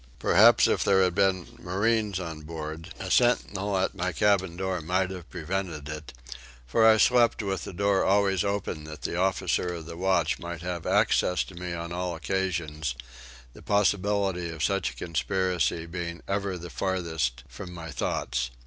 Perhaps if there had been marines on board a sentinel at my cabin door might have prevented it; for I slept with the door always open that the officer of the watch might have access to me on all occasions, the possibility of such a conspiracy being ever the farthest from my thoughts.